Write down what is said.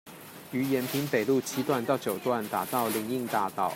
於延平北路七段到九段打造林蔭大道